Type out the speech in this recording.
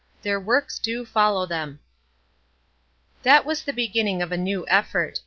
"THEIR WORKS DO FOLLOW THEM" That was the beginning of a new effort.